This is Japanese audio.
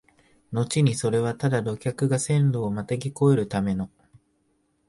のちにそれはただ旅客が線路をまたぎ越えるための、